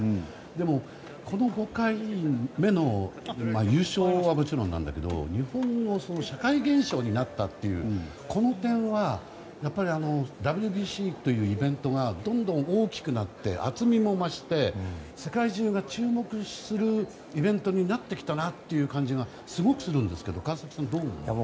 でも、この５回目の優勝はもちろんなんだけど日本の社会現象になったというこの点はＷＢＣというイベントがどんどん大きくなって厚みもまして世界中が注目するイベントになってきたなっていう感じがすごくするんですけど川崎さんはどう思いますか。